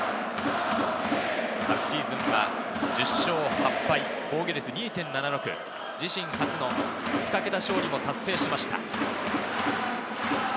昨シーズンは１０勝８敗、防御率２．７６、自身初の２桁勝利も達成しました。